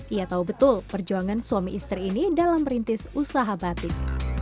ia tahu betul perjuangan suami istri ini dalam merintis usaha batik